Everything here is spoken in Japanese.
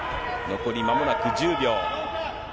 残りまもなく１０秒。